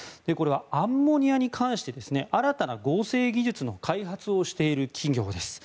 アンモニアに関して新たな合成技術の開発をしている企業です。